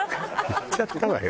言っちゃったわよ。